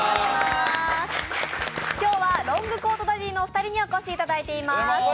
今日はロングコートダディのお二人にお越しいただいてます。